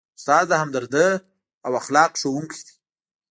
استاد د همدردۍ او اخلاقو ښوونکی دی.